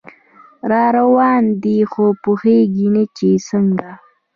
راروان دی خو پوهیږي نه چې څنګه